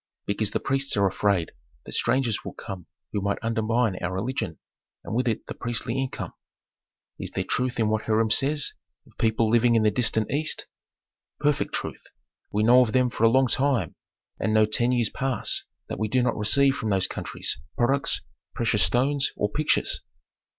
"Because the priests are afraid that strangers would come who might undermine our religion, and with it the priestly income." "Is there truth in what Hiram says of people living in the distant East?" "Perfect truth. We know of them for a long time, and no ten years pass that we do not receive from those countries products, precious stones, or pictures."